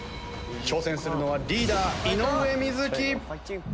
挑戦するのはリーダー井上瑞稀。